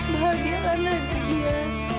bahagia kan nanti ya